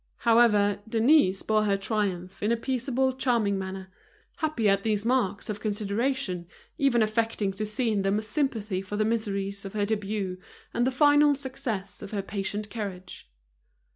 However, Denise bore her triumph in a peaceable, charming manner, happy at these marks of consideration, even affecting to see in them a sympathy for the miseries of her debut and the final success of her patient courage.